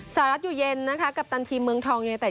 สารัสหยุเย็นกับตันทีมเมืองทองยุโยเตะ